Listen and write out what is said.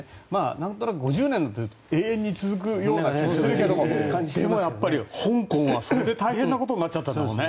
なんとなく５０年って永遠に続くような気もするけれどもでも、香港はそれで大変なことになっちゃったからね。